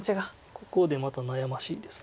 ここでまた悩ましいです。